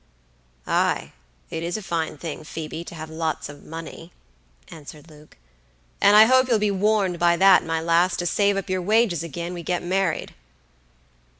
"Ay, it is a fine thing, Phoebe, to have lots of money," answered Luke, "and I hope you'll be warned by that, my lass, to save up your wages agin we get married."